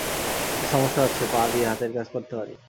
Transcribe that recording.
একটা সমস্যা আছে, পা দিয়ে হাতের কাজ করতে পারি।